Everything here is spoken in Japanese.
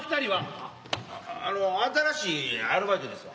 あっあの新しいアルバイトですわ。